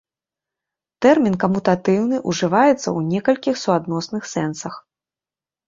Тэрмін камутатыўны ўжываецца ў некалькіх суадносных сэнсах.